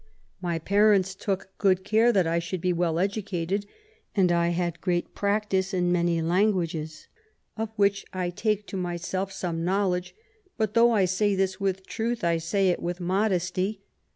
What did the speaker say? My parents took good care that I should be well educated, and I had great practice in many languages, of which I take to myself some knowledge ; but, though I say this with truth, I say it with modesty.